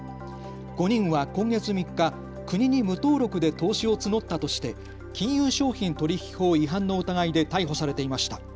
５人は今月３日、国に無登録で投資を募ったとして金融商品取引法違反の疑いで逮捕されていました。